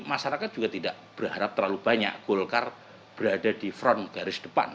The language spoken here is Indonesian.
masyarakat juga tidak berharap terlalu banyak golkar berada di front garis depan